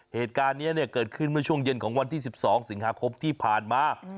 เหตุการณ์นี้เกิดขึ้นเมื่อช่วงเย็นของวันที่๑๒สิงหาคมที่ผ่านมา